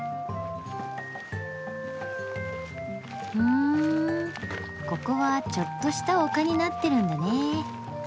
ふんここはちょっとした丘になってるんだね。